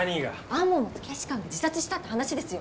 天羽元警視監が自殺したって話ですよ。